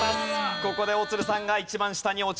ここで大鶴さんが一番下に落ちる。